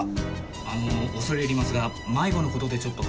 あの恐れ入りますが迷子の事でちょっと。